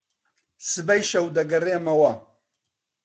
سبەی شەو دەگەڕێمەوە.